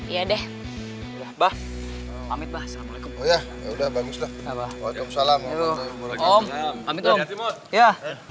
iya deh bahwa mitbah assalamualaikum ya udah baguslah wajah salam om amin om ya